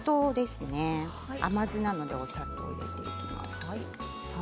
甘酢なのでお砂糖を入れます。